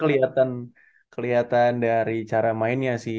tapi ya kelihatan dari cara mainnya sih